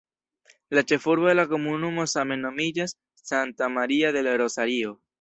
La ĉefurbo de la komunumo same nomiĝas "Santa Maria del Rosario".